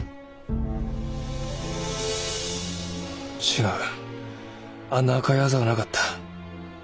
違うあんな赤い痣はなかった。